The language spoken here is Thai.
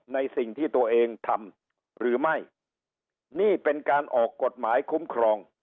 ในสิ่งที่ตัวเองทำหรือไม่นี่เป็นการออกกฎหมายคุ้มครอง